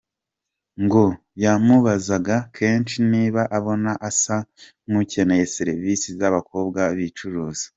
Ngo yamubazaga kenshi niba abona asa nk’ukeneye serivisi z’abakobwa bicuruza.